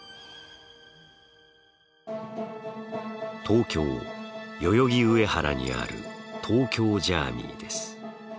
東京・代々木上原にある東京ジャーミイです。